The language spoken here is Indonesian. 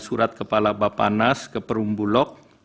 surat kepala bapak nas ke perumbulok